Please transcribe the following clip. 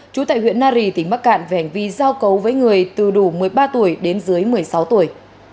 trú tại huyện nari tỉnh bắc cạn về hành vi giao cấu với người từ đủ một mươi ba tuổi đến dưới một mươi sáu tuổi